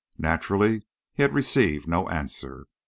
Naturally he had received no answer.